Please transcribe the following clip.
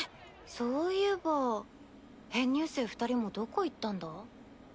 そういえば編入生二人もどこ行ったんだ？